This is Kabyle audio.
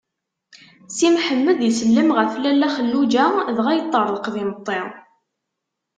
Si Mḥemmed isellem ɣef Lalla Xelluǧa dɣa yeṭṭerḍeq d imeṭṭi.